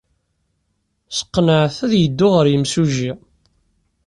Sqenɛeɣ-t ad yeddu ɣer yimsujji.